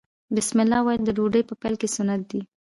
بسم الله ویل د ډوډۍ په پیل کې سنت دي.